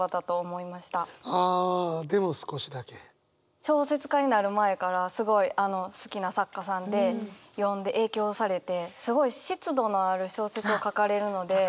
小説家になる前からすごい好きな作家さんで読んで影響されてすごい湿度のある小説を書かれるので。